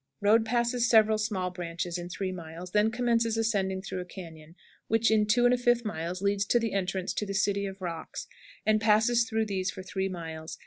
Road passes several small branches in 3 miles, then commences ascending through a cañon which, in 2 1/5 miles, leads to the entrance to the "City of Rocks," and passes through these for three miles.